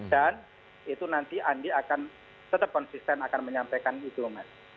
dan itu nanti andi akan tetap konsisten akan menyampaikan itu mas